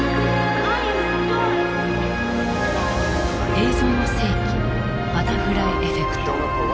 「映像の世紀バタフライエフェクト」。